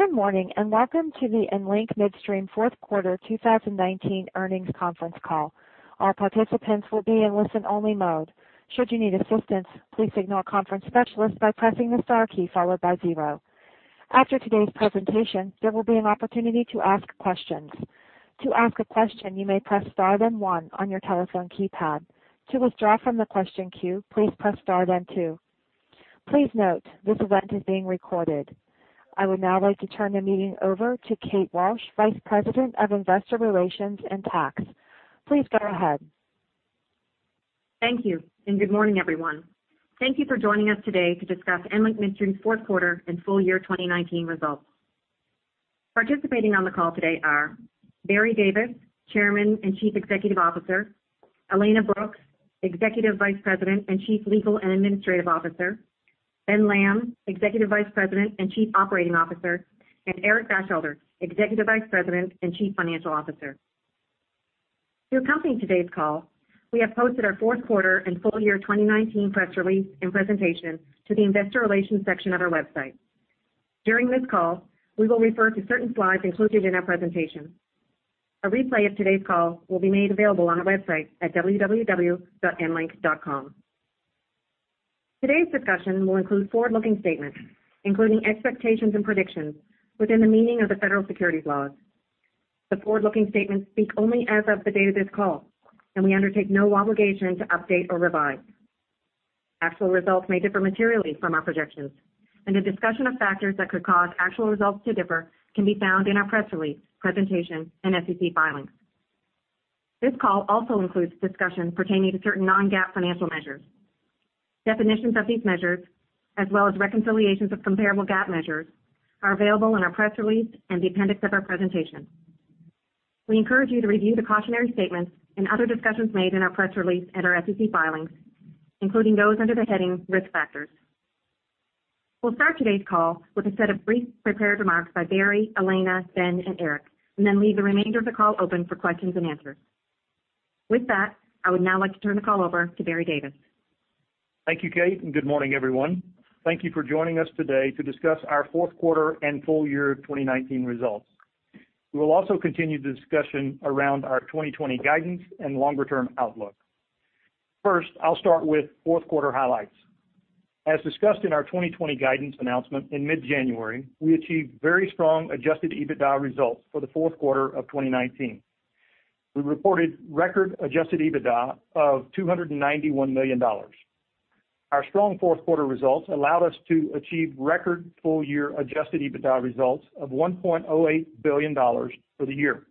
Good morning. Welcome to the EnLink Midstream Fourth Quarter 2019 Earnings Conference Call. All participants will be in listen-only mode. Should you need assistance, please signal a conference specialist by pressing the star key followed by zero. After today's presentation, there will be an opportunity to ask questions. To ask a question, you may press star then one on your telephone keypad. To withdraw from the question queue, please press star then two. Please note, this event is being recorded. I would now like to turn the meeting over to Kate Walsh, Vice President of Investor Relations and Tax. Please go ahead. Thank you, and good morning, everyone. Thank you for joining us today to discuss EnLink Midstream's fourth quarter and full year 2019 results. Participating on the call today are Barry Davis, Chairman and Chief Executive Officer, Alaina Brooks, Executive Vice President and Chief Legal and Administrative Officer, Ben Lamb, Executive Vice President and Chief Operating Officer, and Eric Batchelder, Executive Vice President and Chief Financial Officer. To accompany today's call, we have posted our fourth quarter and full year 2019 press release and presentation to the investor relations section of our website. During this call, we will refer to certain slides included in our presentation. A replay of today's call will be made available on our website at www.enlink.com. Today's discussion will include forward-looking statements, including expectations and predictions within the meaning of the federal securities laws. The forward-looking statements speak only as of the date of this call, and we undertake no obligation to update or revise. Actual results may differ materially from our projections, and a discussion of factors that could cause actual results to differ can be found in our press release, presentation, and SEC filings. This call also includes discussion pertaining to certain non-GAAP financial measures. Definitions of these measures, as well as reconciliations of comparable GAAP measures, are available in our press release and the appendix of our presentation. We encourage you to review the cautionary statements and other discussions made in our press release and our SEC filings, including those under the heading Risk Factors. We'll start today's call with a set of brief prepared remarks by Barry, Alaina, Ben, and Eric, and then leave the remainder of the call open for questions and answers. With that, I would now like to turn the call over to Barry Davis. Thank you, Kate, and good morning, everyone. Thank you for joining us today to discuss our fourth quarter and full year 2019 results. We will also continue the discussion around our 2020 guidance and longer-term outlook. First, I'll start with fourth quarter highlights. As discussed in our 2020 guidance announcement in mid-January, we achieved very strong adjusted EBITDA results for the fourth quarter of 2019. We reported record adjusted EBITDA of $291 million. Our strong fourth quarter results allowed us to achieve record full-year adjusted EBITDA results of $1.08 billion for the year.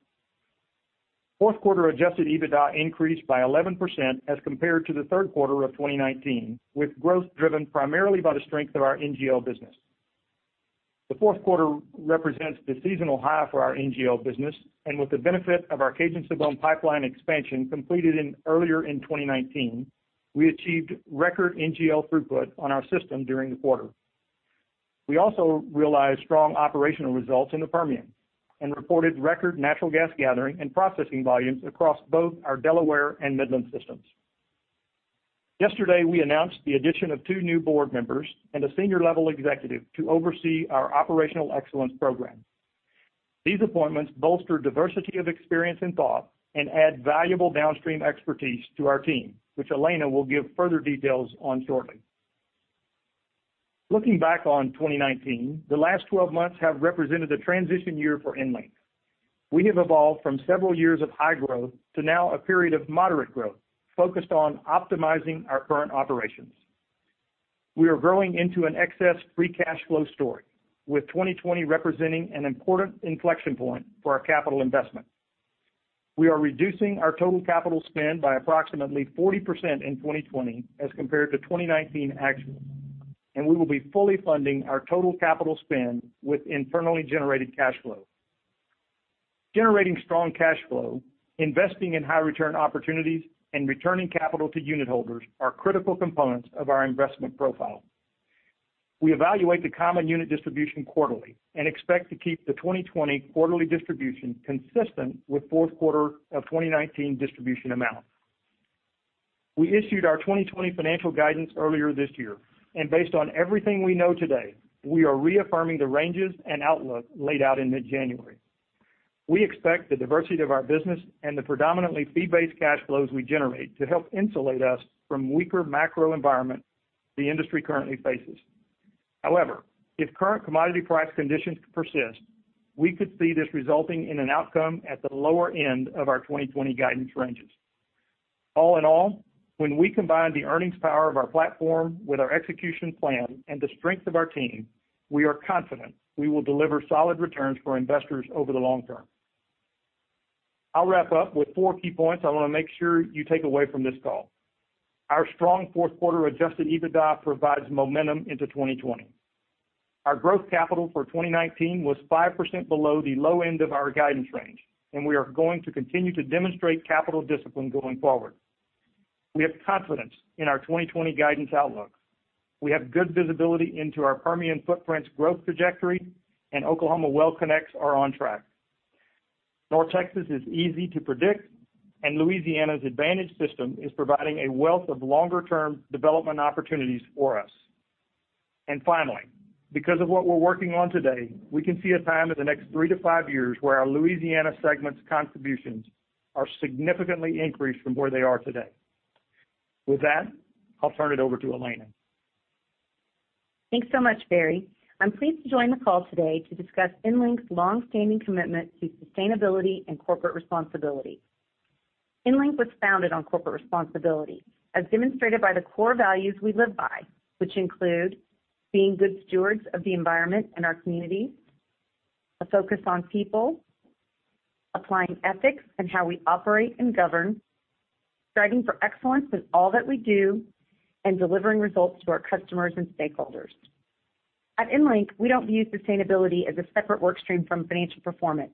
Fourth quarter adjusted EBITDA increased by 11% as compared to the third quarter of 2019, with growth driven primarily by the strength of our NGL business. The fourth quarter represents the seasonal high for our NGL business, and with the benefit of our Cajun-Sibon pipeline expansion completed earlier in 2019, we achieved record NGL throughput on our system during the quarter. We also realized strong operational results in the Permian and reported record natural gas gathering and processing volumes across both our Delaware and Midland systems. Yesterday, we announced the addition of two new board members and a senior-level executive to oversee our operational excellence program. These appointments bolster diversity of experience and thought and add valuable downstream expertise to our team, which Alaina will give further details on shortly. Looking back on 2019, the last 12 months have represented a transition year for EnLink. We have evolved from several years of high growth to now a period of moderate growth focused on optimizing our current operations. We are growing into an excess free cash flow story, with 2020 representing an important inflection point for our capital investment. We are reducing our total capital spend by approximately 40% in 2020 as compared to 2019 actual. We will be fully funding our total capital spend with internally generated cash flow. Generating strong cash flow, investing in high return opportunities, and returning capital to unit holders are critical components of our investment profile. We evaluate the common unit distribution quarterly and expect to keep the 2020 quarterly distribution consistent with fourth quarter of 2019 distribution amount. We issued our 2020 financial guidance earlier this year, based on everything we know today, we are reaffirming the ranges and outlook laid out in mid-January. We expect the diversity of our business, and the predominantly fee-based cash flows we generate to help insulate us from weaker macro environment the industry currently faces. However, if current commodity price conditions persist, we could see this resulting in an outcome at the lower end of our 2020 guidance ranges. All in all, when we combine the earnings power of our platform with our execution plan and the strength of our team, we are confident we will deliver solid returns for investors over the long term. I'll wrap up with four key points I want to make sure you take away from this call. Our strong fourth quarter adjusted EBITDA provides momentum into 2020. Our growth capital for 2019 was 5% below the low end of our guidance range. We are going to continue to demonstrate capital discipline going forward. We have confidence in our 2020 guidance outlook. We have good visibility into our Permian footprint's growth trajectory, and Oklahoma well connects are on track. North Texas is easy to predict. Louisiana's advantage system is providing a wealth of longer-term development opportunities for us. Finally, because of what we're working on today, we can see a time in the next three to five years where our Louisiana segment's contributions are significantly increased from where they are today. With that, I'll turn it over to Alaina. Thanks so much, Barry. I'm pleased to join the call today to discuss EnLink's long-standing commitment to sustainability and corporate responsibility. EnLink was founded on corporate responsibility, as demonstrated by the core values we live by, which include being good stewards of the environment and our communities, a focus on people, applying ethics in how we operate and govern, striving for excellence in all that we do, and delivering results to our customers and stakeholders. At EnLink, we don't view sustainability as a separate workstream from financial performance.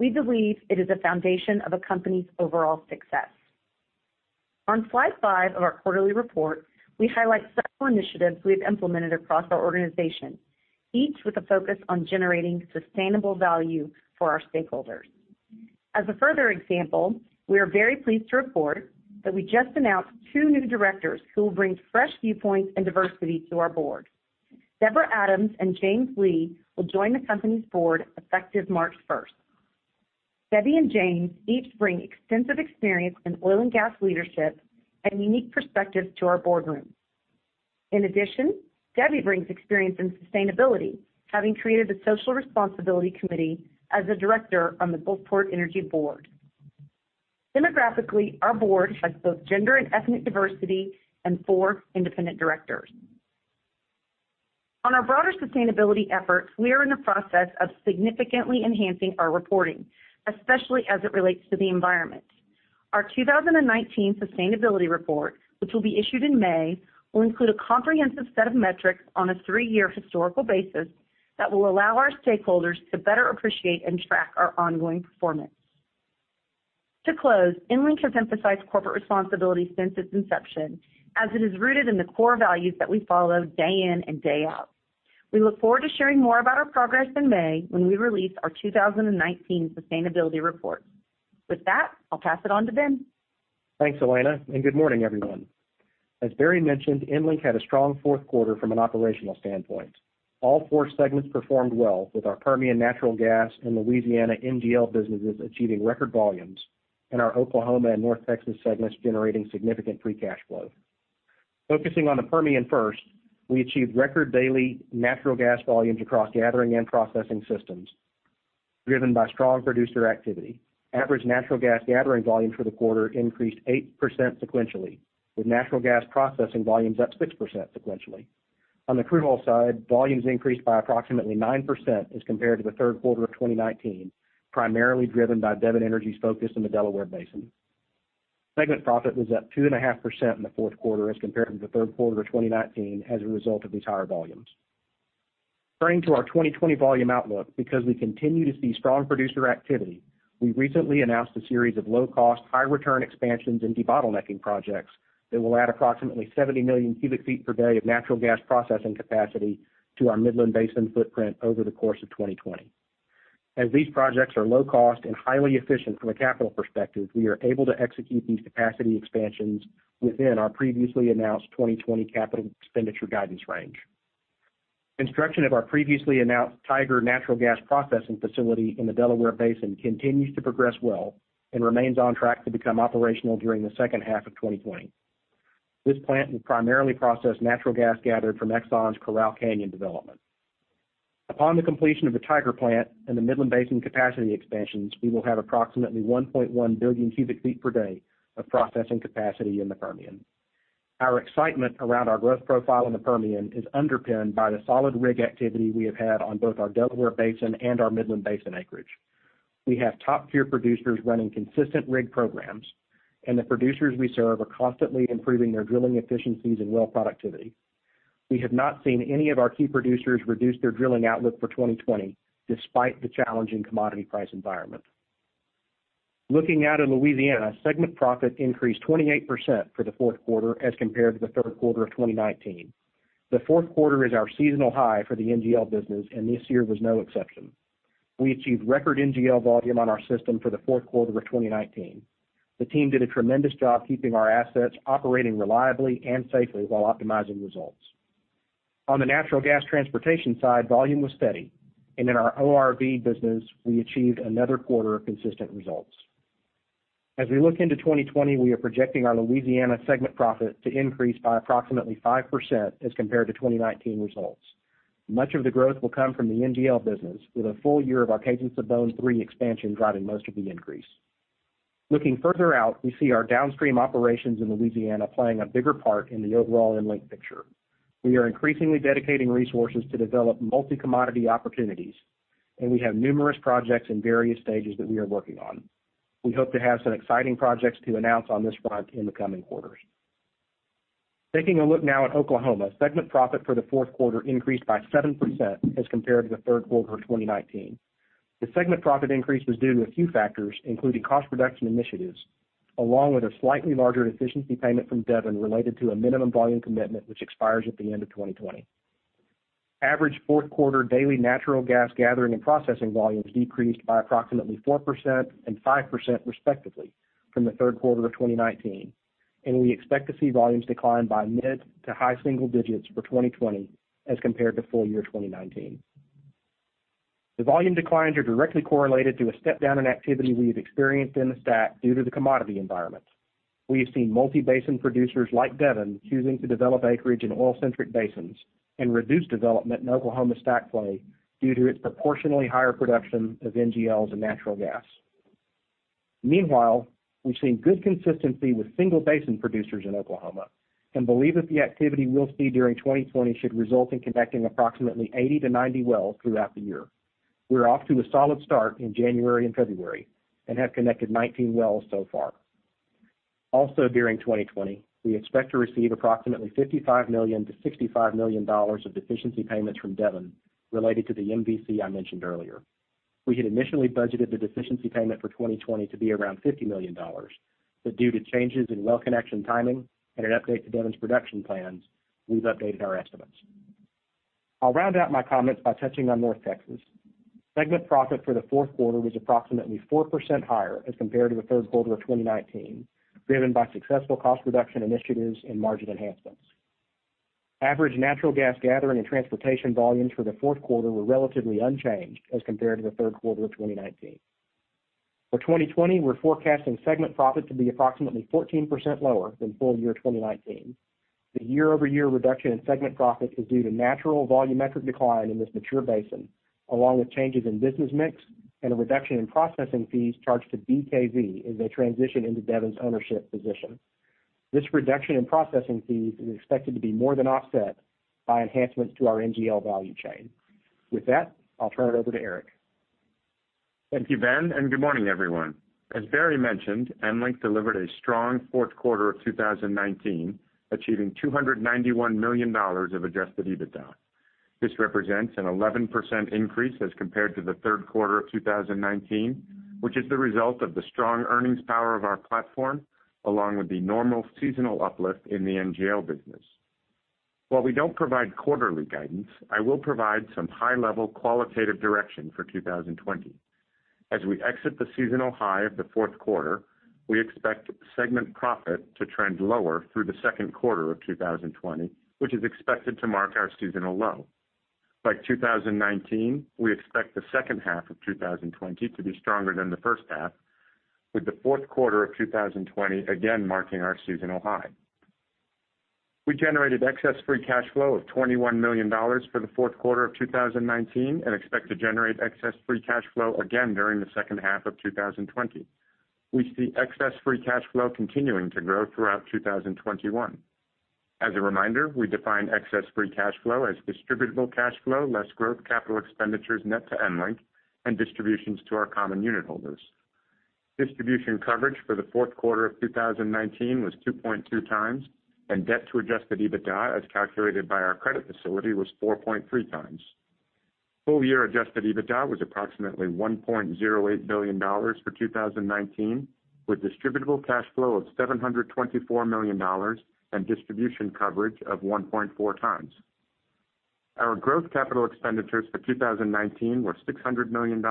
We believe it is the foundation of a company's overall success. On slide five of our quarterly report, we highlight several initiatives we have implemented across our organization, each with a focus on generating sustainable value for our stakeholders. As a further example, we are very pleased to report that we just announced two new directors who will bring fresh viewpoints and diversity to our board. Deborah Adams and James Lee will join the company's board effective March 1st. Debbie and James each bring extensive experience in oil and gas leadership and unique perspectives to our boardroom. In addition, Debbie brings experience in sustainability, having created the Social Responsibility Committee as a director on the Gulfport Energy Board. Demographically, our board has both gender and ethnic diversity and four independent directors. On our broader sustainability efforts, we are in the process of significantly enhancing our reporting, especially as it relates to the environment. Our 2019 sustainability report, which will be issued in May, will include a comprehensive set of metrics on a three-year historical basis that will allow our stakeholders to better appreciate and track our ongoing performance. To close, EnLink has emphasized corporate responsibility since its inception, as it is rooted in the core values that we follow day in and day out. We look forward to sharing more about our progress in May when we release our 2019 sustainability report. With that, I will pass it on to Ben. Thanks, Alaina, and good morning, everyone. As Barry mentioned, EnLink had a strong fourth quarter from an operational standpoint. All four segments performed well, with our Permian Natural Gas and Louisiana NGL businesses achieving record volumes, and our Oklahoma and North Texas segments generating significant free cash flow. Focusing on the Permian first, we achieved record daily natural gas volumes across gathering and processing systems, driven by strong producer activity. Average natural gas gathering volumes for the quarter increased 8% sequentially, with natural gas processing volumes up 6% sequentially. On the crude oil side, volumes increased by approximately 9% as compared to the third quarter of 2019, primarily driven by Devon Energy's focus in the Delaware Basin. Segment profit was up 2.5% in the fourth quarter as compared to the third quarter of 2019 as a result of these higher volumes. Turning to our 2020 volume outlook, because we continue to see strong producer activity, we recently announced a series of low-cost, high-return expansions and debottlenecking projects that will add approximately 70 million cubic feet per day of natural gas processing capacity to our Midland Basin footprint over the course of 2020. As these projects are low cost and highly efficient from a capital perspective, we are able to execute these capacity expansions within our previously announced 2020 capital expenditure guidance range. Construction of our previously announced Tiger Natural Gas Processing Facility in the Delaware Basin continues to progress well and remains on track to become operational during the second half of 2020. This plant will primarily process natural gas gathered from Exxon's Corral Canyon development. Upon the completion of the Tiger plant and the Midland Basin capacity expansions, we will have approximately 1.1 billion cubic feet per day of processing capacity in the Permian. Our excitement around our growth profile in the Permian is underpinned by the solid rig activity we have had on both our Delaware Basin and our Midland Basin acreage. We have top-tier producers running consistent rig programs, and the producers we serve are constantly improving their drilling efficiencies and well productivity. We have not seen any of our key producers reduce their drilling outlook for 2020, despite the challenging commodity price environment. Looking out in Louisiana, segment profit increased 28% for the fourth quarter as compared to the third quarter of 2019. The fourth quarter is our seasonal high for the NGL business, and this year was no exception. We achieved record NGL volume on our system for the fourth quarter of 2019. The team did a tremendous job keeping our assets operating reliably and safely while optimizing results. On the natural gas transportation side, volume was steady. In our ORV business, we achieved another quarter of consistent results. As we look into 2020, we are projecting our Louisiana segment profit to increase by approximately 5% as compared to 2019 results. Much of the growth will come from the NGL business, with a full year of our Cajun-Sibon III expansion driving most of the increase. Looking further out, we see our downstream operations in Louisiana playing a bigger part in the overall EnLink picture. We are increasingly dedicating resources to develop multi-commodity opportunities, and we have numerous projects in various stages that we are working on. We hope to have some exciting projects to announce on this front in the coming quarters. Taking a look now at Oklahoma, segment profit for the fourth quarter increased by 7% as compared to the third quarter of 2019. The segment profit increase was due to a few factors, including cost reduction initiatives, along with a slightly larger efficiency payment from Devon related to a minimum volume commitment which expires at the end of 2020. Average fourth quarter daily natural gas gathering and processing volumes decreased by approximately 4% and 5% respectively from the third quarter of 2019. We expect to see volumes decline by mid to high single digits for 2020 as compared to full year 2019. The volume declines are directly correlated to a step down in activity we have experienced in the STACK due to the commodity environment. We have seen multi-basin producers like Devon choosing to develop acreage in oil-centric basins and reduce development in Oklahoma STACK play due to its proportionally higher production of NGLs and natural gas. Meanwhile, we've seen good consistency with single-basin producers in Oklahoma and believe that the activity we'll see during 2020 should result in connecting approximately 80-90 wells throughout the year. We're off to a solid start in January and February and have connected 19 wells so far. Also, during 2020, we expect to receive approximately $55 million-$65 million of deficiency payments from Devon related to the MVC I mentioned earlier. We had initially budgeted the deficiency payment for 2020 to be around $50 million, but due to changes in well connection timing and an update to Devon's production plans, we've updated our estimates. I'll round out my comments by touching on North Texas. Segment profit for the fourth quarter was approximately 4% higher as compared to the third quarter of 2019, driven by successful cost reduction initiatives and margin enhancements. Average natural gas gathering and transportation volumes for the fourth quarter were relatively unchanged as compared to the third quarter of 2019. For 2020, we're forecasting segment profit to be approximately 14% lower than full year 2019. The year-over-year reduction in segment profit is due to natural volumetric decline in this mature basin, along with changes in business mix and a reduction in processing fees charged to BKV as they transition into Devon's ownership position. This reduction in processing fees is expected to be more than offset by enhancements to our NGL value chain. With that, I'll turn it over to Eric. Thank you, Ben, and good morning, everyone. As Barry mentioned, EnLink delivered a strong fourth quarter of 2019, achieving $291 million of adjusted EBITDA. This represents an 11% increase as compared to the third quarter of 2019, which is the result of the strong earnings power of our platform, along with the normal seasonal uplift in the NGL business. While we don't provide quarterly guidance, I will provide some high-level qualitative direction for 2020. As we exit the seasonal high of the fourth quarter, we expect segment profit to trend lower through the second quarter of 2020, which is expected to mark our seasonal low. By 2020, we expect the second half of 2020 to be stronger than the first half, with the fourth quarter of 2020 again marking our seasonal high. We generated excess free cash flow of $21 million for the fourth quarter of 2019 and expect to generate excess free cash flow again during the second half of 2020. We see excess free cash flow continuing to grow throughout 2021. As a reminder, we define excess free cash flow as distributable cash flow, less growth capital expenditures net to EnLink, and distributions to our common unit holders. Distribution coverage for the fourth quarter of 2019 was 2.2x, and debt to adjusted EBITDA, as calculated by our credit facility, was 4.3x. Full year adjusted EBITDA was approximately $1.08 billion for 2019, with distributable cash flow of $724 million and distribution coverage of 1.4x. Our growth capital expenditures for 2019 were $600 million,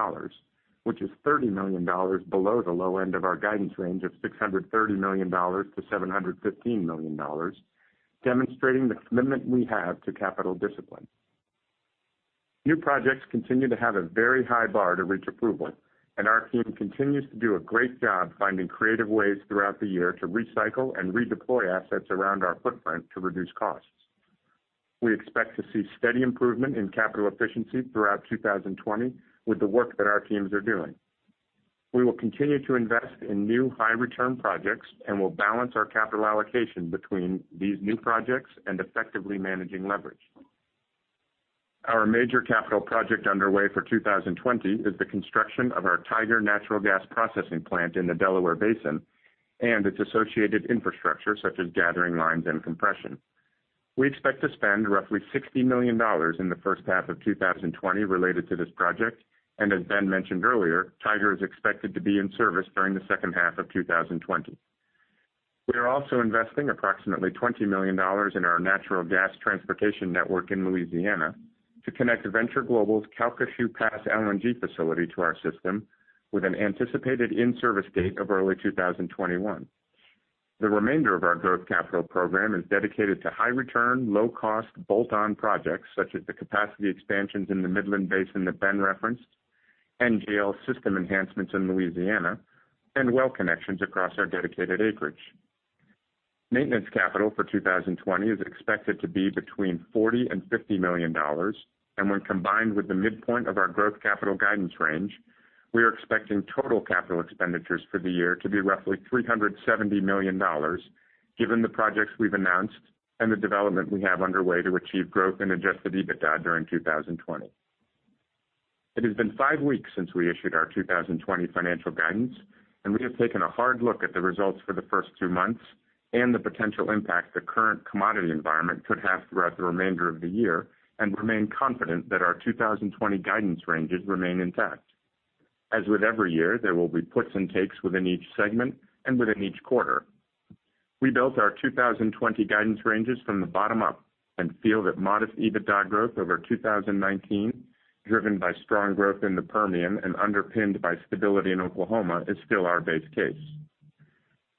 which is $30 million below the low end of our guidance range of $630 million-$715 million, demonstrating the commitment we have to capital discipline. New projects continue to have a very high bar to reach approval, and our team continues to do a great job finding creative ways throughout the year to recycle and redeploy assets around our footprint to reduce costs. We expect to see steady improvement in capital efficiency throughout 2020 with the work that our teams are doing. We will continue to invest in new high-return projects and will balance our capital allocation between these new projects and effectively managing leverage. Our major capital project underway for 2020 is the construction of our Tiger natural gas processing plant in the Delaware Basin and its associated infrastructure, such as gathering lines and compression. We expect to spend roughly $60 million in the first half of 2020 related to this project, as Ben mentioned earlier, Tiger is expected to be in service during the second half of 2020. We are also investing approximately $20 million in our natural gas transportation network in Louisiana to connect Venture Global's Calcasieu Pass LNG facility to our system with an anticipated in-service date of early 2021. The remainder of our growth capital program is dedicated to high-return, low-cost bolt-on projects such as the capacity expansions in the Midland Basin that Ben referenced, NGL system enhancements in Louisiana, and well connections across our dedicated acreage. Maintenance capital for 2020 is expected to be between $40 million and $50 million, and when combined with the midpoint of our growth capital guidance range, we are expecting total capital expenditures for the year to be roughly $370 million, given the projects we've announced and the development we have underway to achieve growth in adjusted EBITDA during 2020. It has been five weeks since we issued our 2020 financial guidance. We have taken a hard look at the results for the first two months and the potential impact the current commodity environment could have throughout the remainder of the year and remain confident that our 2020 guidance ranges remain intact. As with every year, there will be puts and takes within each segment and within each quarter. We built our 2020 guidance ranges from the bottom up and feel that modest EBITDA growth over 2019, driven by strong growth in the Permian and underpinned by stability in Oklahoma, is still our base case.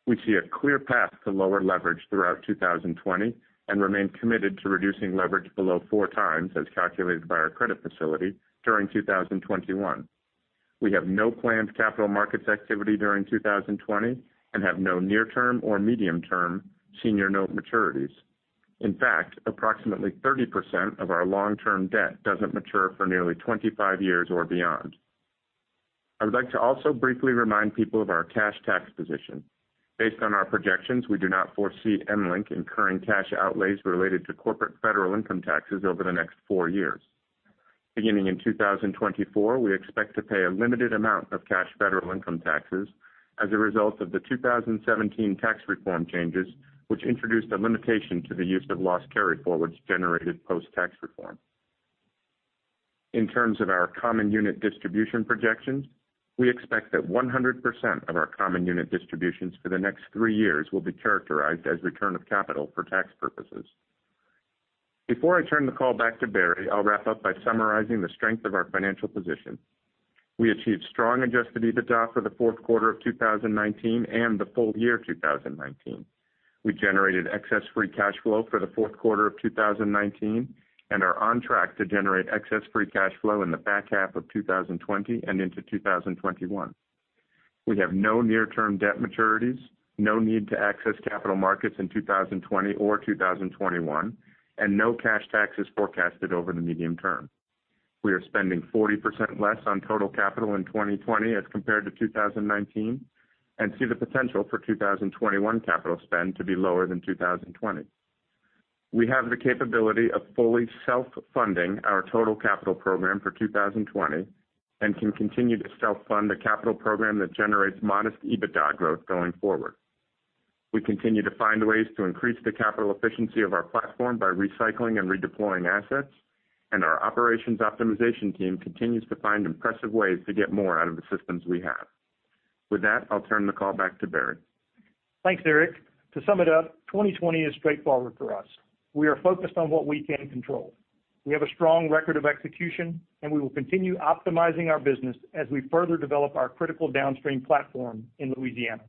We see a clear path to lower leverage throughout 2020 and remain committed to reducing leverage below four times, as calculated by our credit facility during 2021. We have no planned capital markets activity during 2020 and have no near-term or medium-term senior note maturities. In fact, approximately 30% of our long-term debt doesn't mature for nearly 25 years or beyond. I would like to also briefly remind people of our cash tax position. Based on our projections, we do not foresee EnLink incurring cash outlays related to corporate federal income taxes over the next four years. Beginning in 2024, we expect to pay a limited amount of cash federal income taxes as a result of the 2017 tax reform changes, which introduced a limitation to the use of loss carryforwards generated post-tax reform. In terms of our common unit distribution projections, we expect that 100% of our common unit distributions for the next three years will be characterized as return of capital for tax purposes. Before I turn the call back to Barry, I'll wrap up by summarizing the strength of our financial position. We achieved strong adjusted EBITDA for the fourth quarter of 2019 and the full year 2019. We generated excess free cash flow for the fourth quarter of 2019 and are on track to generate excess free cash flow in the back half of 2020 and into 2021. We have no near-term debt maturities, no need to access capital markets in 2020 or 2021, and no cash taxes forecasted over the medium term. We are spending 40% less on total capital in 2020 as compared to 2019 and see the potential for 2021 capital spend to be lower than 2020. We have the capability of fully self-funding our total capital program for 2020 and can continue to self-fund a capital program that generates modest EBITDA growth going forward. We continue to find ways to increase the capital efficiency of our platform by recycling and redeploying assets, and our operations optimization team continues to find impressive ways to get more out of the systems we have. With that, I'll turn the call back to Barry. Thanks, Eric. To sum it up, 2020 is straightforward for us. We are focused on what we can control. We have a strong record of execution, and we will continue optimizing our business as we further develop our critical downstream platform in Louisiana.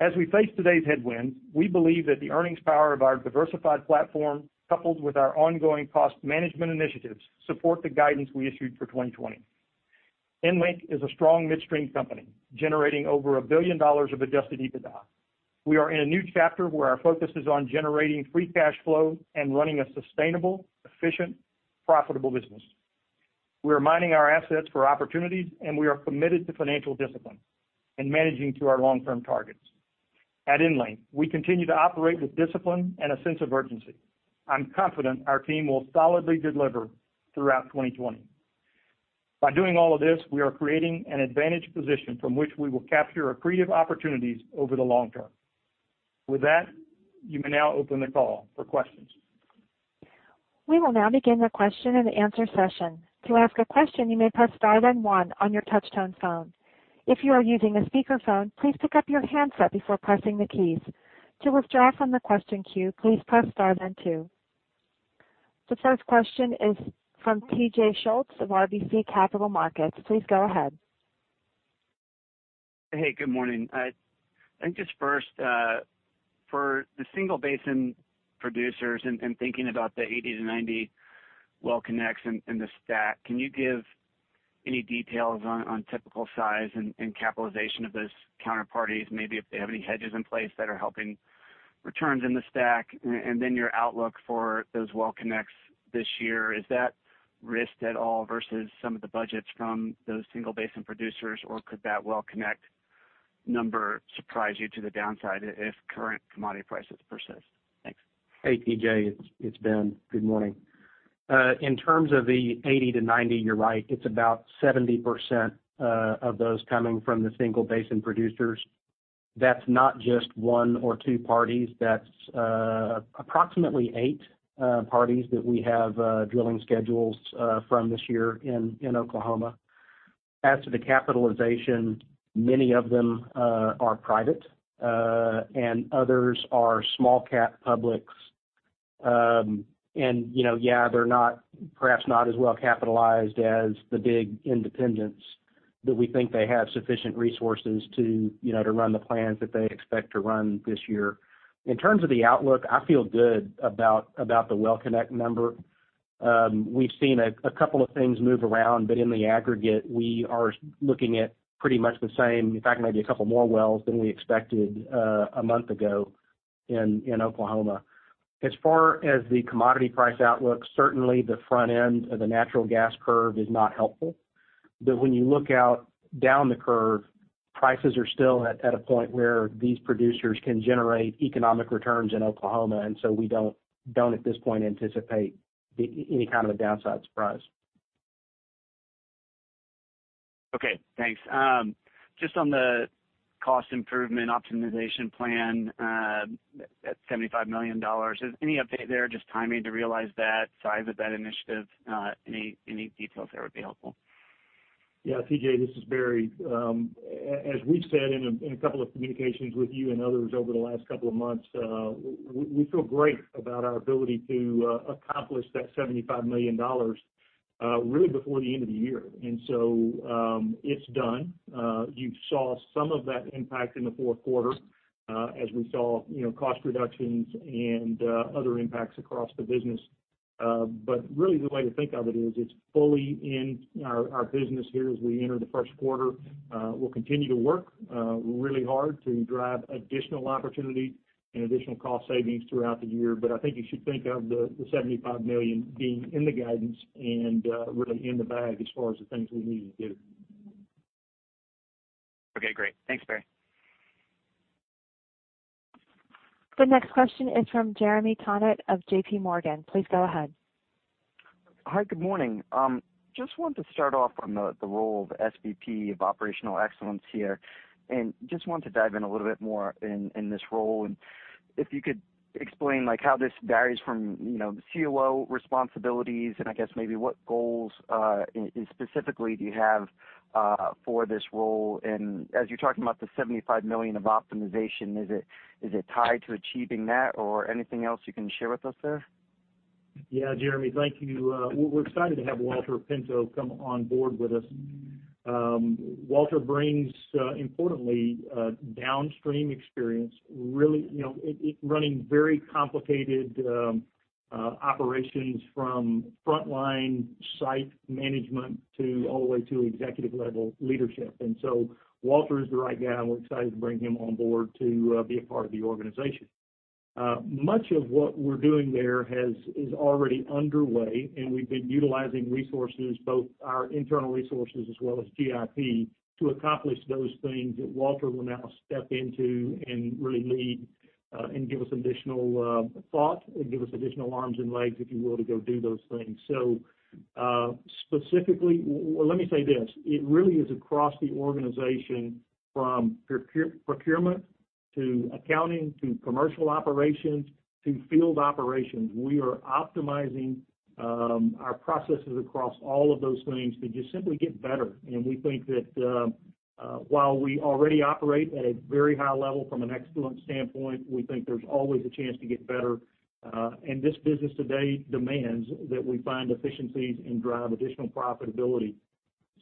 As we face today's headwinds, we believe that the earnings power of our diversified platform, coupled with our ongoing cost management initiatives, support the guidance we issued for 2020. EnLink is a strong midstream company, generating over $1 billion of adjusted EBITDA. We are in a new chapter where our focus is on generating free cash flow and running a sustainable, efficient, profitable business. We are mining our assets for opportunities, and we are committed to financial discipline and managing to our long-term targets. At EnLink, we continue to operate with discipline and a sense of urgency. I'm confident our team will solidly deliver throughout 2020. By doing all of this, we are creating an advantaged position from which we will capture accretive opportunities over the long term. With that, you may now open the call for questions. We will now begin the question and answer session. To ask a question, you may press star then one on your touch-tone phone. If you are using a speakerphone, please pick up your handset before pressing the keys. To withdraw from the question queue, please press star then two. The first question is from TJ Schultz of RBC Capital Markets. Please go ahead. Hey, good morning. I think just first, for the single-basin producers and thinking about the 80-90 well connects in the STACK, can you give any details on typical size and capitalization of those counterparties? Maybe if they have any hedges in place that are helping returns in the STACK, and then your outlook for those well connects this year. Is that risked at all versus some of the budgets from those single-basin producers, or could that well connect number surprise you to the downside if current commodity prices persist? Thanks. Hey, TJ, it's Ben. Good morning. In terms of the 80-90, you're right. It's about 70% of those coming from the single-basin producers. That's not just one or two parties. That's approximately eight parties that we have drilling schedules from this year in Oklahoma. As to the capitalization, many of them are private, and others are small-cap publics. Yeah, they're perhaps not as well-capitalized as the big independents, but we think they have sufficient resources to run the plans that they expect to run this year. In terms of the outlook, I feel good about the well connect number. We've seen a couple of things move around, but in the aggregate, we are looking at pretty much the same, in fact, maybe a couple more wells than we expected a month ago in Oklahoma. As far as the commodity price outlook, certainly the front end of the natural gas curve is not helpful. When you look out down the curve, prices are still at a point where these producers can generate economic returns in Oklahoma, and so we don't at this point anticipate any kind of a downside surprise. Okay, thanks. Just on the cost improvement optimization plan at $75 million, is there any update there? Just timing to realize that size of that initiative? Any details there would be helpful. Yeah, TJ, this is Barry. As we've said in a couple of communications with you and others over the last couple of months, we feel great about our ability to accomplish that $75 million really before the end of the year. So it's done. You saw some of that impact in the fourth quarter as we saw cost reductions and other impacts across the business. Really the way to think of it is it's fully in our business here as we enter the first quarter. We'll continue to work really hard to drive additional opportunity and additional cost savings throughout the year. I think you should think of the $75 million being in the guidance and really in the bag as far as the things we need to do. Okay, great. Thanks, Barry. The next question is from Jeremy Tonet of JPMorgan. Please go ahead. Hi, good morning. Just want to start off on the role of SVP of Operational Excellence here, and just want to dive in a little bit more in this role, and if you could explain how this varies from the COO responsibilities and I guess maybe what goals specifically do you have for this role? As you're talking about the $75 million of optimization, is it tied to achieving that or anything else you can share with us there? Jeremy, thank you. We're excited to have Walter Pinto come on board with us. Walter brings, importantly, downstream experience, running very complicated operations from frontline site management all the way to executive-level leadership. Walter is the right guy, and we're excited to bring him on board to be a part of the organization. Much of what we're doing there is already underway, and we've been utilizing resources, both our internal resources as well as GIP, to accomplish those things that Walter will now step into and really lead and give us additional thought, give us additional arms and legs, if you will, to go do those things. Specifically, let me say this, it really is across the organization from procurement to accounting to commercial operations to field operations. We are optimizing our processes across all of those things to just simply get better. We think that while we already operate at a very high level from an excellence standpoint, we think there's always a chance to get better. This business today demands that we find efficiencies and drive additional profitability.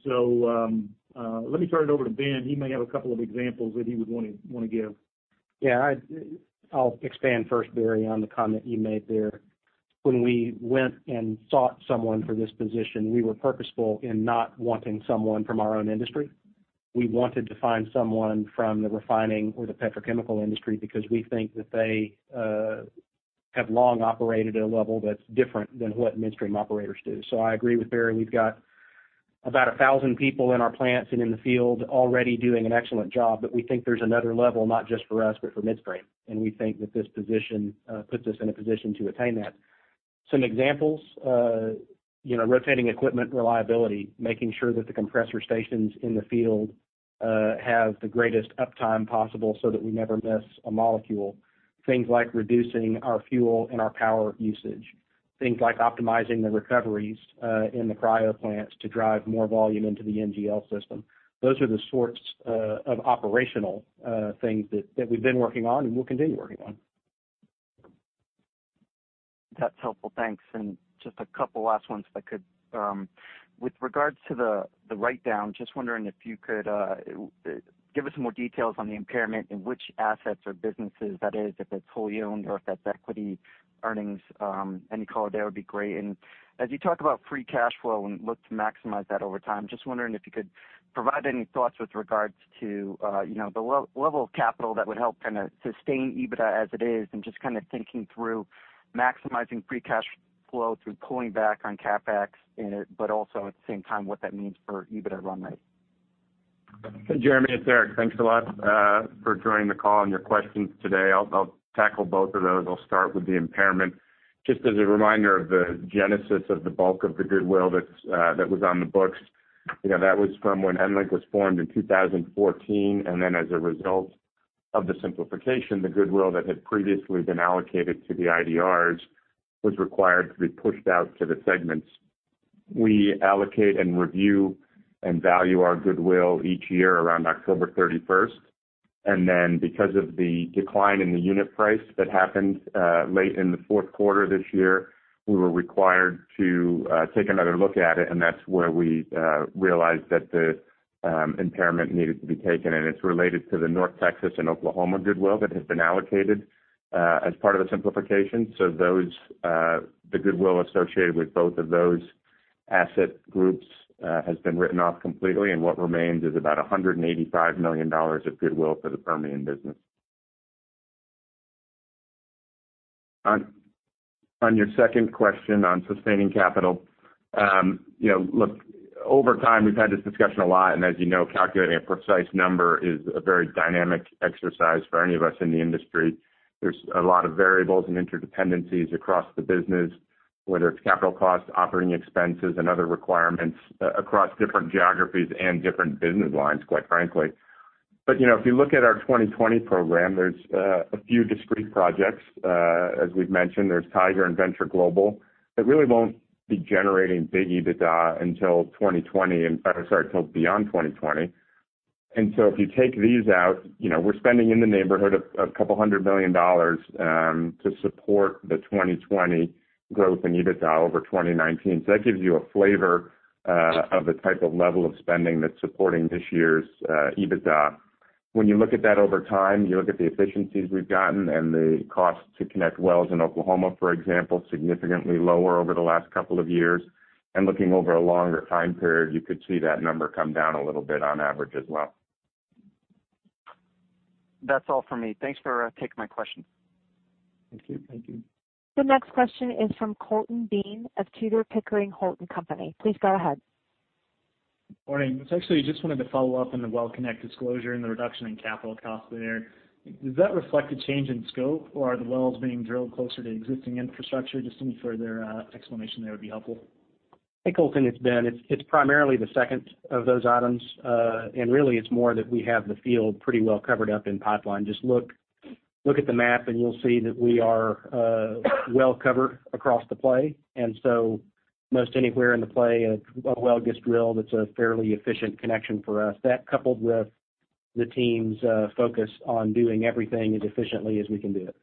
Let me turn it over to Ben. He may have a couple of examples that he would want to give. I'll expand first, Barry, on the comment you made there. When we went and sought someone for this position, we were purposeful in not wanting someone from our own industry. We wanted to find someone from the refining or the petrochemical industry because we think that they have long operated at a level that's different than what midstream operators do. I agree with Barry. We've got about 1,000 people in our plants and in the field already doing an excellent job. We think there's another level, not just for us, but for midstream. We think that this position puts us in a position to attain that. Some examples, rotating equipment reliability, making sure that the compressor stations in the field have the greatest uptime possible so that we never miss a molecule. Things like reducing our fuel and our power usage. Things like optimizing the recoveries in the cryo plants to drive more volume into the NGL system. Those are the sorts of operational things that we've been working on and will continue working on. That's helpful. Thanks. Just a couple last ones if I could. With regards to the write-down, just wondering if you could give us some more details on the impairment, in which assets or businesses that is, if it's wholly owned or if that's equity earnings. Any color there would be great. As you talk about free cash flow and look to maximize that over time, just wondering if you could provide any thoughts with regards to the level of capital that would help kind of sustain EBITDA as it is and just kind of thinking through maximizing free cash flow through pulling back on CapEx, but also at the same time what that means for EBITDA run rate. Jeremy, it's Eric. Thanks a lot for joining the call and your questions today. I'll tackle both of those. I'll start with the impairment. Just as a reminder of the genesis of the bulk of the goodwill that was on the books. That was from when EnLink was formed in 2014, and then as a result of the simplification, the goodwill that had previously been allocated to the IDRs was required to be pushed out to the segments. We allocate and review and value our goodwill each year around October 31st. Because of the decline in the unit price that happened late in the fourth quarter this year, we were required to take another look at it, and that's where we realized that the impairment needed to be taken, and it's related to the North Texas and Oklahoma goodwill that has been allocated as part of the simplification. The goodwill associated with both of those asset groups has been written off completely, and what remains is about $185 million of goodwill for the Permian business. On your second question on sustaining capital. Look, over time, we've had this discussion a lot, and as you know, calculating a precise number is a very dynamic exercise for any of us in the industry. There's a lot of variables and interdependencies across the business, whether it's capital costs, operating expenses, and other requirements across different geographies and different business lines, quite frankly. If you look at our 2020 program, there's a few discrete projects. As we've mentioned, there's Tiger and Venture Global that really won't be generating big EBITDA until beyond 2020. If you take these out, we're spending in the neighborhood of $200 million to support the 2020 growth in EBITDA over 2019. That gives you a flavor of the type of level of spending that's supporting this year's EBITDA. When you look at that over time, you look at the efficiencies we've gotten and the cost to connect wells in Oklahoma, for example, significantly lower over the last couple of years. Looking over a longer time period, you could see that number come down a little bit on average as well. That's all for me. Thanks for taking my question. Thank you. The next question is from Colton Bean of Tudor, Pickering, Holt & Co. Please go ahead. Morning. Actually, just wanted to follow up on the well connect disclosure and the reduction in capital cost there. Does that reflect a change in scope, or are the wells being drilled closer to existing infrastructure? Just any further explanation there would be helpful. Hey, Colton, it's Ben. It's primarily the second of those items. Really, it's more that we have the field pretty well covered up in pipeline. Just look at the map and you'll see that we are well covered across the play. Most anywhere in the play, a well gets drilled, it's a fairly efficient connection for us. That coupled with the team's focus on doing everything as efficiently as we can do it.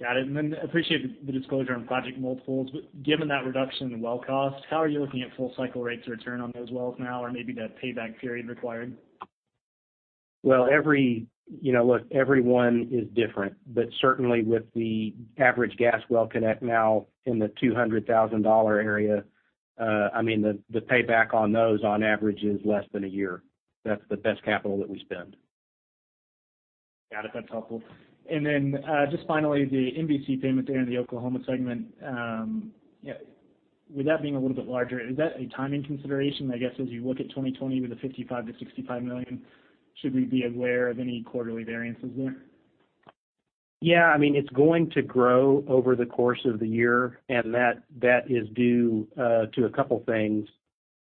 Got it. Appreciate the disclosure on project multiples. Given that reduction in well cost, how are you looking at full cycle rates of return on those wells now or maybe the payback period required? Everyone is different, but certainly with the average gas well connect now in the $200,000 area, the payback on those on average is less than a year. That's the best capital that we spend. Got it. That's helpful. Just finally, the MVC payment there in the Oklahoma segment. With that being a little bit larger, is that a timing consideration? I guess as you look at 2020 with the $55 million-$65 million, should we be aware of any quarterly variances there? Yeah. It's going to grow over the course of the year. That is due to a couple things.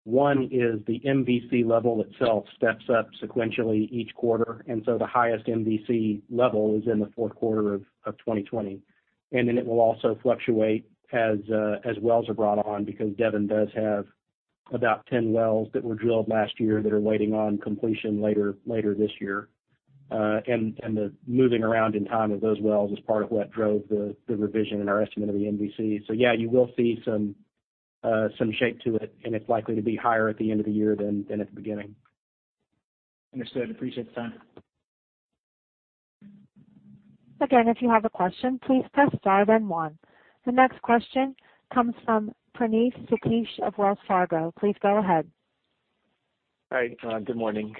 One is the MVC level itself steps up sequentially each quarter. The highest MVC level is in the fourth quarter of 2020. It will also fluctuate as wells are brought on because Devon does have about 10 wells that were drilled last year that are waiting on completion later this year. The moving around in time of those wells is part of what drove the revision in our estimate of the MVC. Yeah, you will see some shape to it, and it's likely to be higher at the end of the year than at the beginning. Understood. Appreciate the time. Again, if you have a question, please press star then one. The next question comes from Praneeth Satish of Wells Fargo. Please go ahead. Hi. Good morning.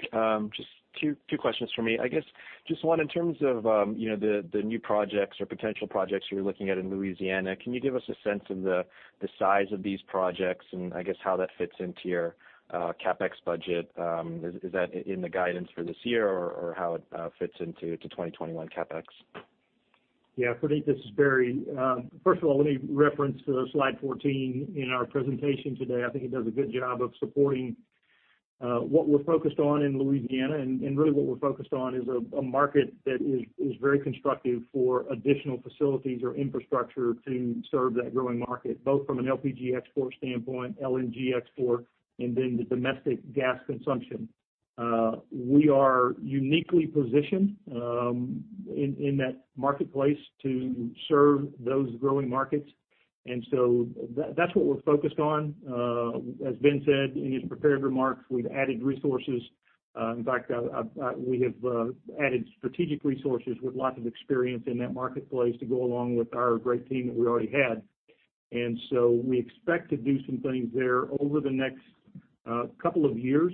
Just two questions from me. I guess just one in terms of the new projects or potential projects you're looking at in Louisiana. Can you give us a sense of the size of these projects, and I guess how that fits into your CapEx budget? Is that in the guidance for this year or how it fits into 2021 CapEx? Yeah, Praneeth, this is Barry. First of all, let me reference to slide 14 in our presentation today. I think it does a good job of supporting what we're focused on in Louisiana. Really what we're focused on is a market that is very constructive for additional facilities or infrastructure to serve that growing market, both from an LPG export standpoint, LNG export, and then the domestic gas consumption. We are uniquely positioned in that marketplace to serve those growing markets, that's what we're focused on. As Ben said in his prepared remarks, we've added resources. In fact, we have added strategic resources with lots of experience in that marketplace to go along with our great team that we already had. We expect to do some things there over the next couple of years.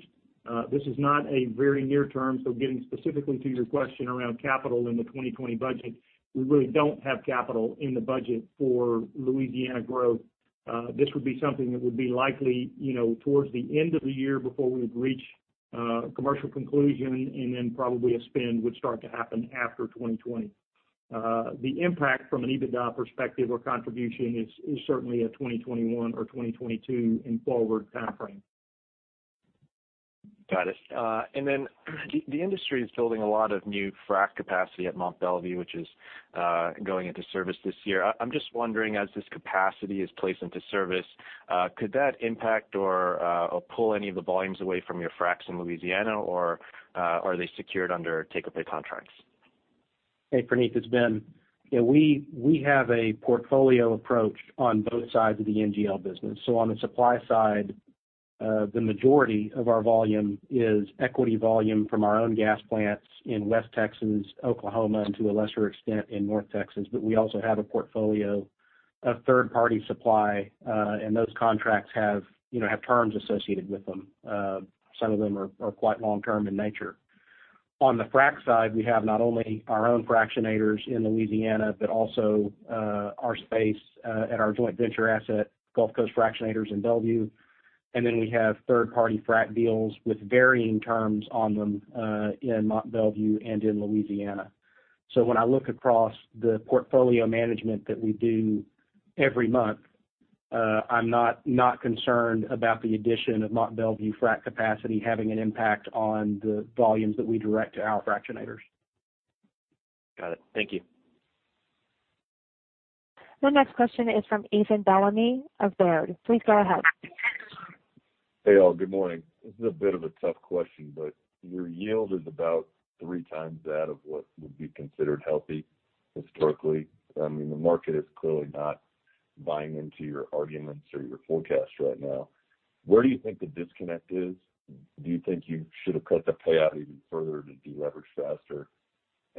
This is not a very near term. Getting specifically to your question around capital in the 2020 budget, we really don't have capital in the budget for Louisiana growth. This would be something that would be likely towards the end of the year before we would reach commercial conclusion and then probably a spend would start to happen after 2020. The impact from an EBITDA perspective or contribution is certainly a 2021 or 2022 and forward time frame. Got it. The industry is building a lot of new frack capacity at Mont Belvieu, which is going into service this year. I'm just wondering, as this capacity is placed into service, could that impact or pull any of the volumes away from your fracs in Louisiana? Are they secured undertake or pay contracts? Hey, Praneeth, it's Ben. We have a portfolio approach on both sides of the NGL business. On the supply side, the majority of our volume is equity volume from our own gas plants in West Texas, Oklahoma, and to a lesser extent in North Texas. We also have a portfolio of third-party supply, and those contracts have terms associated with them. Some of them are quite long-term in nature. On the frac side, we have not only our own fractionators in Louisiana, but also our space at our joint venture asset, Gulf Coast Fractionators in Belvieu. We have third-party frac deals with varying terms on them in Mont Belvieu and in Louisiana. When I look across the portfolio management that we do every month, I'm not concerned about the addition of Mont Belvieu frack capacity having an impact on the volumes that we direct to our fractionators. Got it. Thank you. The next question is from Ethan Bellamy of Baird. Please go ahead. Hey, all. Good morning. This is a bit of a tough question. Your yield is about 3x that of what would be considered healthy historically. I mean, the market is clearly not buying into your arguments or your forecast right now. Where do you think the disconnect is? Do you think you should have cut the payout even further to deleverage faster?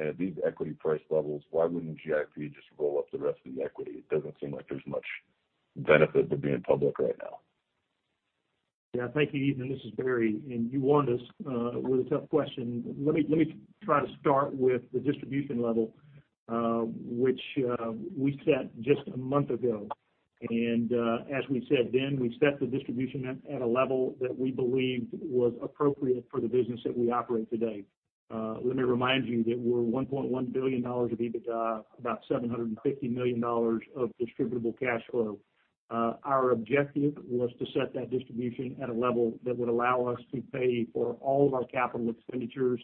At these equity price levels, why wouldn't GIP just roll up the rest of the equity? It doesn't seem like there's much benefit to being public right now. Yeah. Thank you, Ethan, this is Barry. You wand us with a tough question. Let me try to start with the distribution level, which we set just a month ago. As we said then, we set the distribution at a level that we believed was appropriate for the business that we operate today. Let me remind you that we're $1.1 billion of EBITDA, about $750 million of distributable cash flow. Our objective was to set that distribution at a level that would allow us to pay for all of our capital expenditures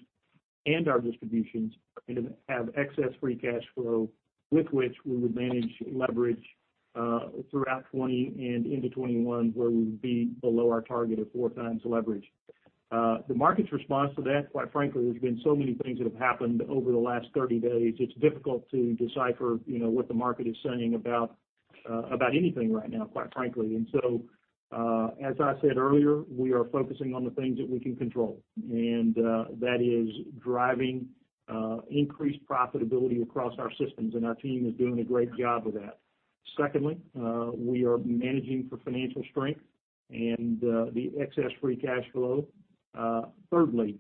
and our distributions, and to have excess free cash flow with which we would manage leverage, throughout 2020 and into 2021, where we would be below our target of 4x leverage. The market's response to that, quite frankly, there's been so many things that have happened over the last 30 days, it's difficult to decipher what the market is saying about anything right now, quite frankly. As I said earlier, we are focusing on the things that we can control, and that is driving increased profitability across our systems, and our team is doing a great job of that. Secondly, we are managing for financial strength and the excess free cash flow. Thirdly,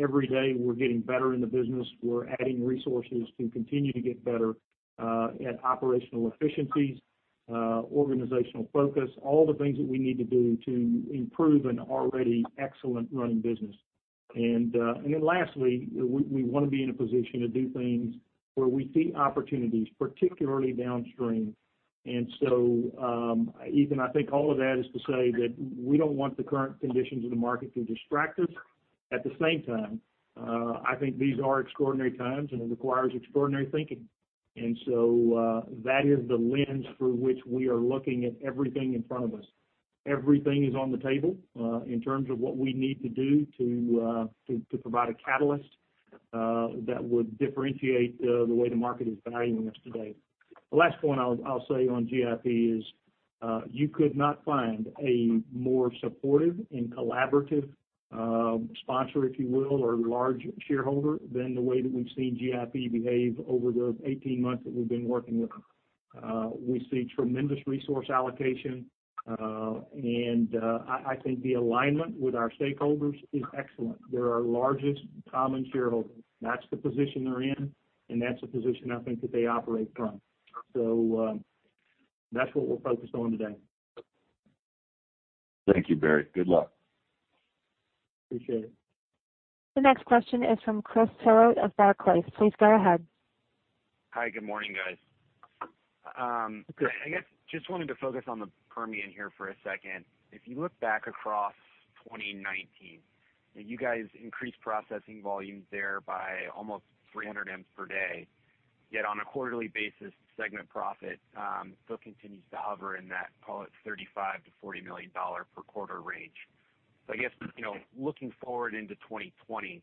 every day we're getting better in the business. We're adding resources to continue to get better at operational efficiencies, organizational focus, all the things that we need to do to improve an already excellent running business. Lastly, we want to be in a position to do things where we see opportunities, particularly downstream. Ethan, I think all of that is to say that we don't want the current conditions of the market to distract us. At the same time, I think these are extraordinary times, and it requires extraordinary thinking. That is the lens through which we are looking at everything in front of us. Everything is on the table, in terms of what we need to do to provide a catalyst that would differentiate the way the market is valuing us today. The last point I'll say on GIP is, you could not find a more supportive and collaborative sponsor, if you will, or large shareholder than the way that we've seen GIP behave over the 18 months that we've been working with them. We see tremendous resource allocation, and I think the alignment with our stakeholders is excellent. They're our largest common shareholder. That's the position they're in, and that's the position I think that they operate from. That's what we're focused on today. Thank you, Barry. Good luck. Appreciate it. The next question is from Chris Tillett of Barclays. Please go ahead. Hi, good morning, guys. Good. I guess, just wanted to focus on the Permian here for a second. If you look back across 2019, you guys' increased processing volumes there by almost 300 m per day. Yet on a quarterly basis, segment profit still continues to hover in that, call it $35 million-$40 million per quarter range. I guess, looking forward into 2020,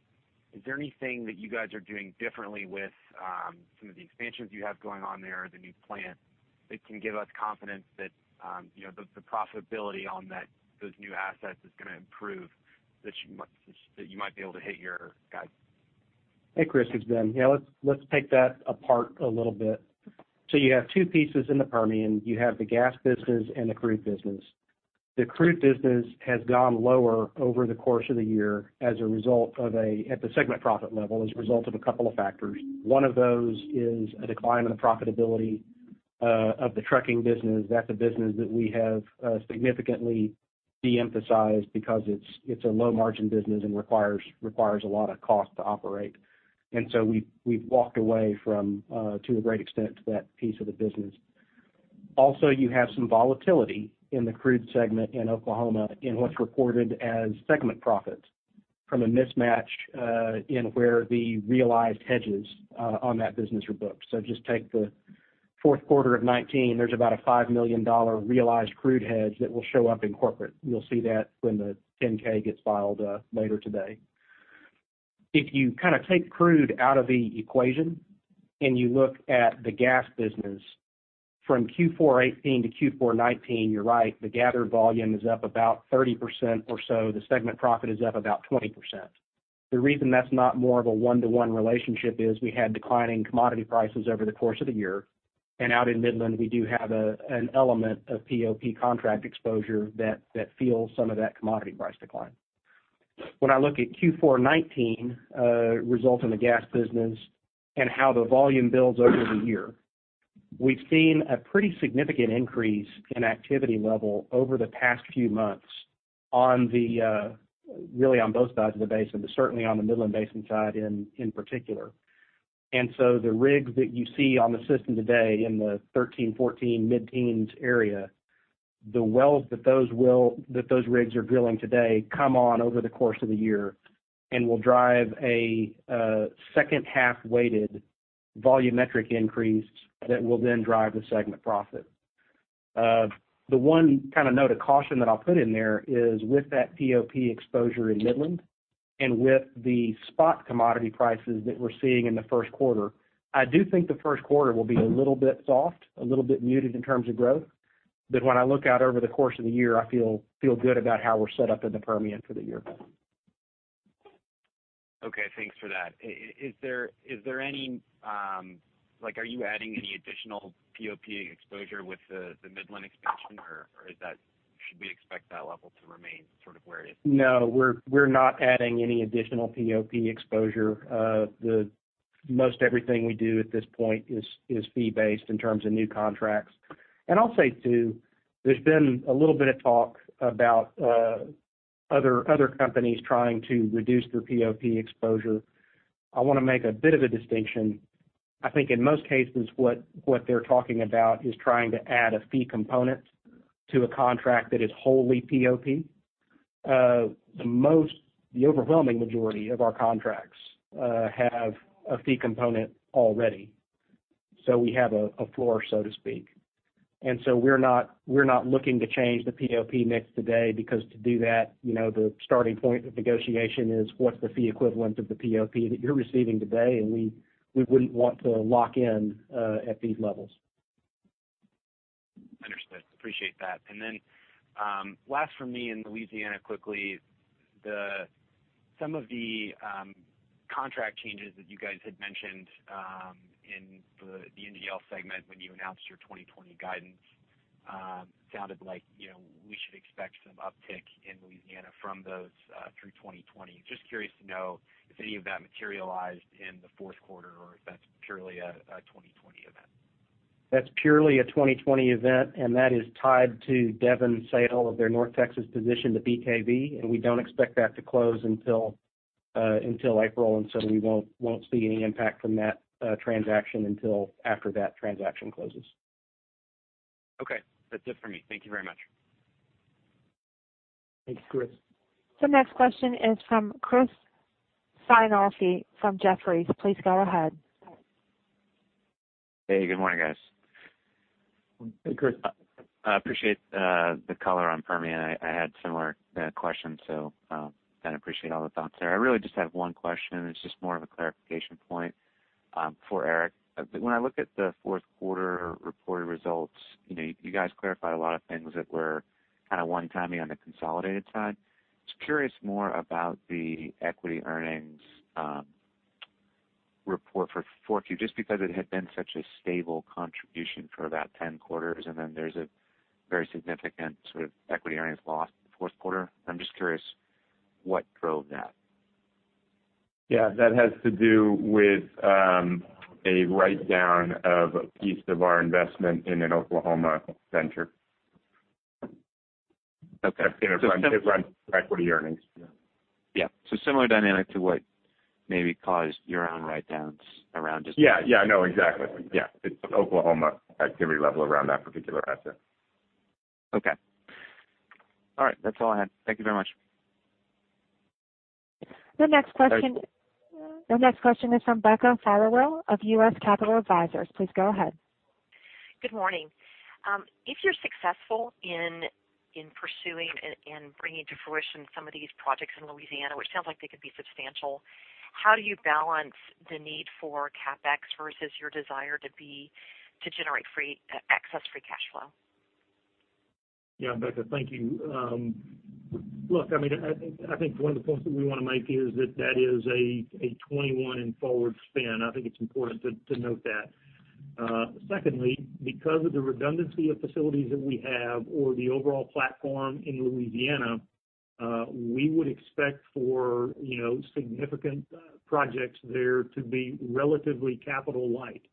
is there anything that you guys are doing differently with some of the expansions you have going on there, the new plant, that can give us confidence that the profitability on those new assets is going to improve, that you might be able to hit your guide? Hey, Chris. It's Ben. Yeah, let's take that apart a little bit. You have two pieces in the Permian. You have the gas business and the crude business. The crude business has gone lower over the course of the year at the segment profit level as a result of a couple of factors. One of those is a decline in the profitability of the trucking business. That's a business that we have significantly de-emphasized because it's a low margin business and requires a lot of cost to operate. We've walked away from, to a great extent, that piece of the business. Also, you have some volatility in the crude segment in Oklahoma in what's recorded as segment profit from a mismatch, in where the realized hedges on that business are booked. Just take the fourth quarter of 2019, there's about a $5 million realized crude hedge that will show up in corporate. You'll see that when the 10-K gets filed later today. If you kind of take crude out of the equation and you look at the gas business from Q4 2018 to Q4 2019, you're right, the gathered volume is up about 30% or so. The segment profit is up about 20%. The reason that's not more of a one-to-one relationship is we had declining commodity prices over the course of the year, and out in Midland, we do have an element of POP contract exposure that feels some of that commodity price decline. When I look at Q4 2019 results in the gas business and how the volume builds over the year, we've seen a pretty significant increase in activity level over the past few months really on both sides of the basin, but certainly on the Midland Basin side in particular. The rigs that you see on the system today in the 13, 14, mid-10s area, the wells that those rigs are drilling today come on over the course of the year and will drive a second half weighted volumetric increase that will then drive the segment profit. The one note of caution that I'll put in there is with that POP exposure in Midland and with the spot commodity prices that we're seeing in the first quarter, I do think the first quarter will be a little bit soft, a little bit muted in terms of growth. When I look out over the course of the year, I feel good about how we're set up in the Permian for the year. Okay. Thanks for that. Are you adding any additional POP exposure with the Midland expansion, or should we expect that level to remain sort of where it is? No, we're not adding any additional POP exposure. Most everything we do at this point is fee-based in terms of new contracts. I'll say, too, there's been a little bit of talk about other companies trying to reduce their POP exposure. I want to make a bit of a distinction. I think in most cases what they're talking about is trying to add a fee component to a contract that is wholly POP. The overwhelming majority of our contracts have a fee component already. We have a floor, so to speak. We're not looking to change the POP mix today because to do that, the starting point of the negotiation is what's the fee equivalent of the POP that you're receiving today, and we wouldn't want to lock in at these levels. Understood. Appreciate that. Last from me in Louisiana, quickly, some of the contract changes that you guys had mentioned in the NGL segment when you announced your 2020 guidance sounded like we should expect some uptick in Louisiana from those through 2020. Just curious to know if any of that materialized in the fourth quarter, or if that's purely a 2020 event. That's purely a 2020 event. That is tied to Devon's sale of their North Texas position to BKV. We don't expect that to close until April. We won't see any impact from that transaction until after that transaction closes. Okay. That's it for me. Thank you very much. Thanks, Chris. The next question is from Chris Sighinolfi from Jefferies. Please go ahead. Hey, good morning, guys. Hey, Chris. I appreciate the color on Permian. I had similar questions, kind of appreciate all the thoughts there. I really just have one question, it's just more of a clarification point for Eric. When I look at the fourth quarter reported results, you guys clarified a lot of things that were kind of one-timing on the consolidated side. Just curious more about the equity earnings report for 4Q, just because it had been such a stable contribution for about 10 quarters, there's a very significant sort of equity earnings loss in the fourth quarter. I'm just curious what drove that. Yeah, that has to do with a write-down of a piece of our investment in an Oklahoma venture. Okay. That's in our equity earnings. Yeah. Similar dynamic to what maybe caused your own write-downs around just-. Yeah. No, exactly. Yeah. It's Oklahoma activity level around that particular asset. Okay. All right. That's all I had. Thank you very much. The next question. Thanks. The next question is from Becca Followill of U.S. Capital Advisors. Please go ahead. Good morning. If you're successful in pursuing and bringing to fruition some of these projects in Louisiana, which sounds like they could be substantial, how do you balance the need for CapEx versus your desire to generate excess free cash flow? Yeah. Becca, thank you. I think one of the points that we want to make is that that is a 2021 and forward spend. I think it's important to note that. Secondly, because of the redundancy of facilities that we have or the overall platform in Louisiana, we would expect for significant projects there to be relatively capital light.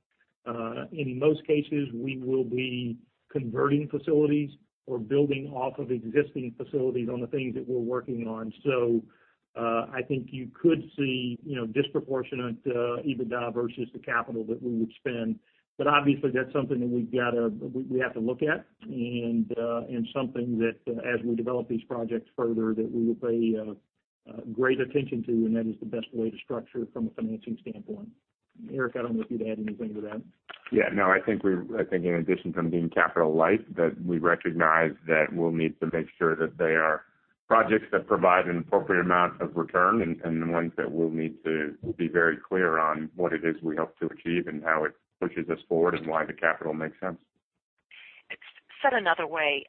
In most cases, we will be converting facilities or building off of existing facilities on the things that we're working on. I think you could see disproportionate EBITDA versus the capital that we would spend. Obviously, that's something that we have to look at, and something that, as we develop these projects further, that we would pay great attention to, and that is the best way to structure it from a financing standpoint. Eric, I don't know if you'd add anything to that. Yeah, no. I think in addition to them being capital light, that we recognize that we'll need to make sure that they are projects that provide an appropriate amount of return and the ones that we'll need to be very clear on what it is we hope to achieve and how it pushes us forward and why the capital makes sense. Said another way,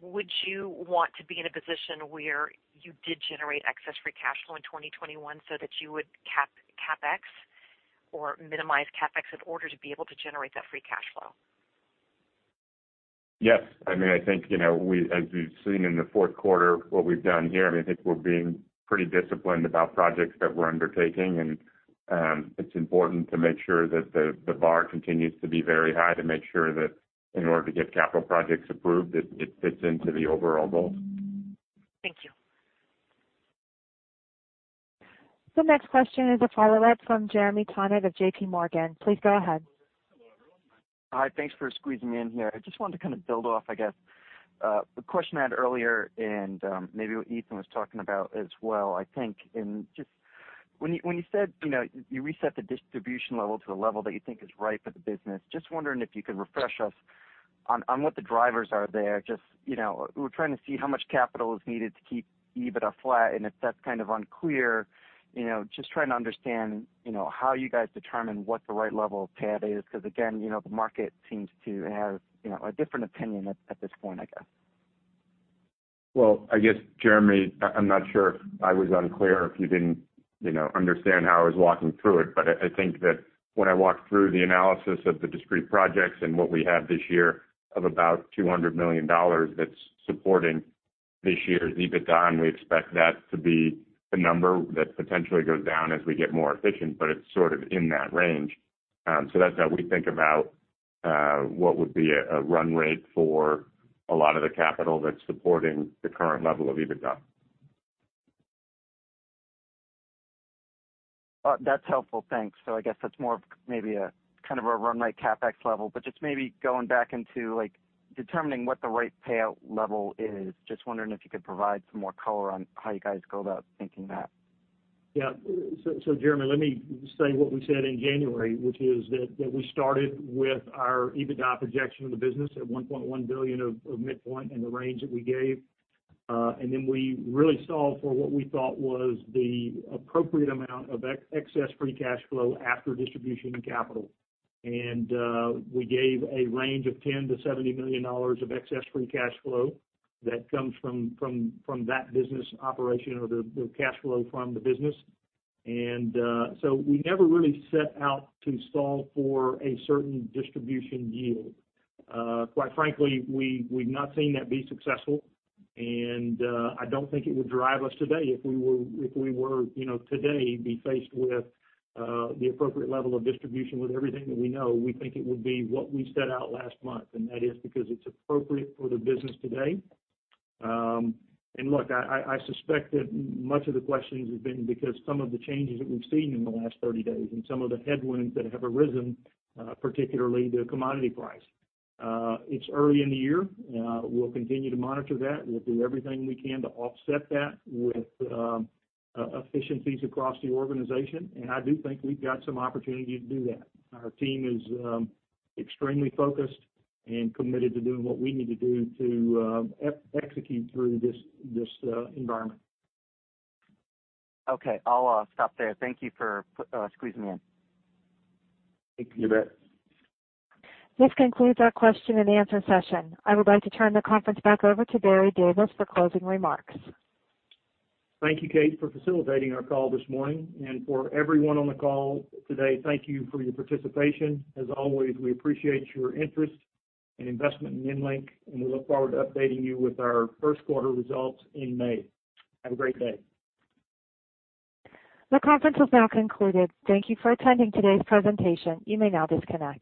would you want to be in a position where you did generate excess free cash flow in 2021 so that you would cap CapEx or minimize CapEx in order to be able to generate that free cash flow? Yes. I think as we've seen in the fourth quarter what we've done here, I think we're being pretty disciplined about projects that we're undertaking and it's important to make sure that the bar continues to be very high to make sure that in order to get capital projects approved, it fits into the overall goal. Thank you. The next question is a follow-up from Jeremy Tonet of JPMorgan. Please go ahead. Hi. Thanks for squeezing me in here. I just wanted to kind of build off, I guess, the question I had earlier and maybe what Ethan was talking about as well, I think. When you said you reset the distribution level to a level that you think is right for the business, just wondering if you could refresh us on what the drivers are there. Just we're trying to see how much capital is needed to keep EBITDA flat, and if that's kind of unclear, just trying to understand how you guys determine what the right level of payout is. Again, the market seems to have a different opinion at this point, I guess. I guess, Jeremy, I'm not sure if I was unclear or if you didn't understand how I was walking through it, but I think that when I walked through the analysis of the discrete projects and what we have this year of about $200 million that's supporting this year's EBITDA, and we expect that to be a number that potentially goes down as we get more efficient, but it's sort of in that range. That's how we think about what would be a run rate for a lot of the capital that's supporting the current level of EBITDA. That's helpful. Thanks. I guess that's more of maybe a kind of a run rate CapEx level, but just maybe going back into determining what the right payout level is. Just wondering if you could provide some more color on how you guys go about thinking that. Jeremy, let me say what we said in January, which is that we started with our EBITDA projection of the business at $1.1 billion of midpoint in the range that we gave. Then we really solved for what we thought was the appropriate amount of excess free cash flow after distribution and capital. We gave a range of $10 million-$70 million of excess free cash flow that comes from that business operation or the cash flow from the business. We never really set out to solve for a certain distribution yield. Quite frankly, we've not seen that be successful, and I don't think it would drive us today if we were today be faced with the appropriate level of distribution with everything that we know. We think it would be what we set out last month, that is because it's appropriate for the business today. Look, I suspect that much of the questions have been because some of the changes that we've seen in the last 30 days and some of the headwinds that have arisen, particularly the commodity price. It's early in the year. We'll continue to monitor that. We'll do everything we can to offset that with efficiencies across the organization, I do think we've got some opportunity to do that. Our team is extremely focused and committed to doing what we need to do to execute through this environment. Okay. I'll stop there. Thank you for squeezing me in. You bet. This concludes our question-and-answer session. I would like to turn the conference back over to Barry Davis for closing remarks. Thank you, Kate, for facilitating our call this morning. For everyone on the call today, thank you for your participation. As always, we appreciate your interest and investment in EnLink, and we look forward to updating you with our first quarter results in May. Have a great day. The conference has now concluded. Thank you for attending today's presentation. You may now disconnect.